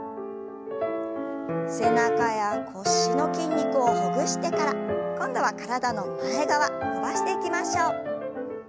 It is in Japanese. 背中や腰の筋肉をほぐしてから今度は体の前側伸ばしていきましょう。